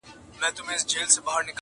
په قبرو کي د وطن په غم افګار یو؛